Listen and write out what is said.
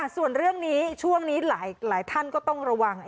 ส่วนเรื่องนี้ช่วงนี้หลายท่านก็ต้องระวัง